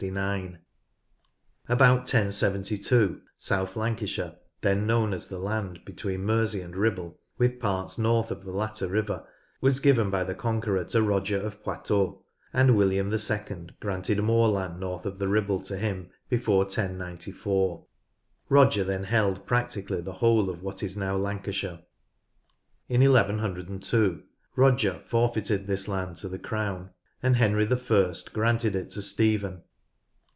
About 1072 South Lancashire, then known as the land between Mersey and Ribble, with parts north of the latter river, was given by the Conqueror to Roger of Poitou, and William II granted more land north of the Ribble to him before 1094. Roger then held practically the whole of what is now Lancashire. In 1 102 Roger forfeited this land to the crown, and Henry I granted it to Stephen.